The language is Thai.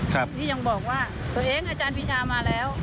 ที่ยังบอกว่าตัวเองอาจารย์ปีชามาแล้ว